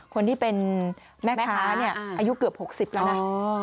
คนที่เป็นแม่ค้าเนี่ยอายุเกือบ๖๐แล้วนะ